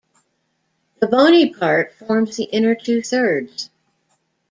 The bony part forms the inner two thirds.